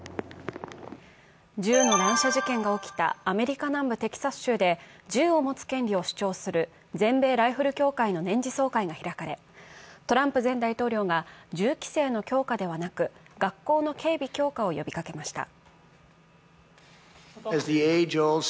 銃の乱射事件が起きたアメリカ南部テキサス州で、銃を持つ権利を主張する全米ライフル協会の年次総会が開かれ、トランプ前大統領が銃規制の強化ではなく学校の警備強化を呼びかけました。